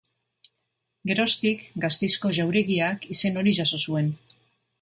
Geroztik, Gasteizko jauregiak izen hori jaso zuen.